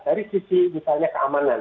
dari sisi misalnya keamanan